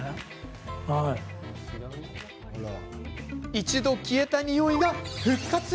一度消えた、においが復活。